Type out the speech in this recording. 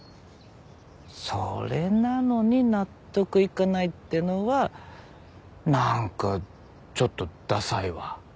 それなのに納得いかないってのは何かちょっとダサいわ。